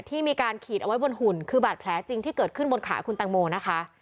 ที่มีการขีดเอาไว้บนหุ่นคือบาดแผลจริงที่เกิดขึ้นบนขาคุณแตงโมนะคะ